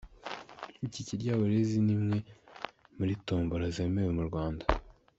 Iki Kiryabarezi ni imwe muri tombola zeweme mu Rwanda.